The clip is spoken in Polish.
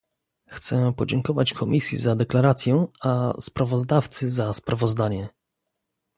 Chcę podziękować Komisji za deklarację, a sprawozdawcy za sprawozdanie